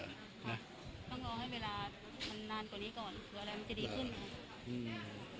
ต้องรอให้เวลามันนานกว่านี้ก่อนเผื่ออะไรมันจะดีขึ้นค่ะ